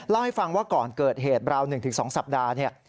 เล่าให้ฟังว่าก่อนเกิดเหตุราว๑๒สัปดาห์เนี่ย